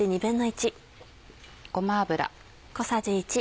ごま油。